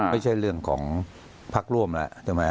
ไม่ใช่เรื่องของพรรคร่วมล่ะ